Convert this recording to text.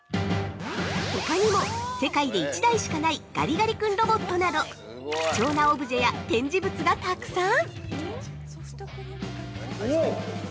◆他にも、世界で１台しかないガリガリ君ロボットなど貴重なオブジェや展示物がたくさん！